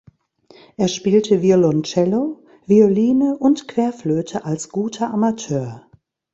Er spielte Violoncello, Violine und Querflöte als guter Amateur.